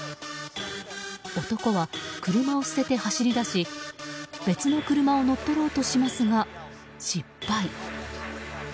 男は車を捨てて走り出し別の車を乗っ取ろうとしますが失敗。